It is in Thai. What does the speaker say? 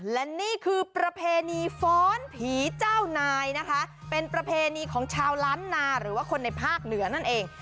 และนี่คือประเพณีฟ้อนผีเจ้านายนะคะเป็นประเพณีของชาวล้านนาหรือว่าคนในภาคเหนือนั่นเอง